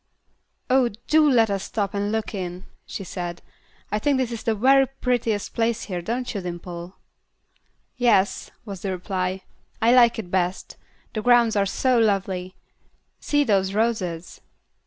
"Oh, do let us stop and look in," she said. "I think this is the very prettiest place here, don't you, Dimple?" "Yes," was the reply, "I like it best. The grounds are so lovely. See those roses."